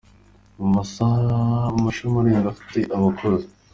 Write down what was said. mu mashami arenga afite abakozi.